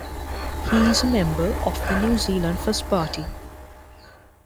He is a member of the New Zealand First party.